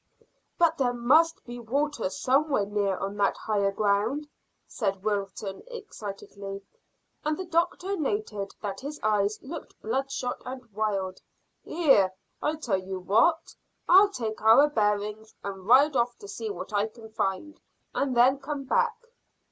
"But there must be water somewhere near on that higher ground," said Wilton excitedly, and the doctor noted that his eyes looked bloodshot and wild. "Here, I tell you what; I'll take our bearings and ride off to see what I can find, and then come back."